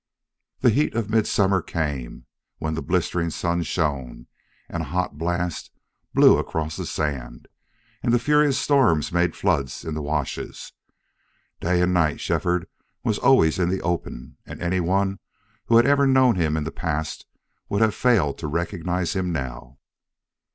The heat of midsummer came, when the blistering sun shone, and a hot blast blew across the sand, and the furious storms made floods in the washes. Day and night Shefford was always in the open, and any one who had ever known him in the past would have failed to recognize him now.